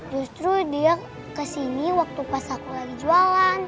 justru dia kesini waktu pas aku lagi jualan